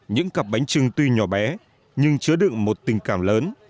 những cặp bánh trưng tuy nhỏ bé nhưng chứa đựng một tình cảm lớn